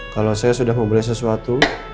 kalau saya sudah memulai sesuatu